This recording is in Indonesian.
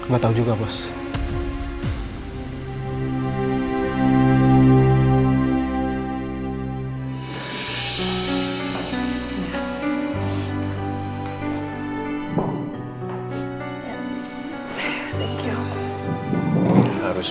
gak tau juga bos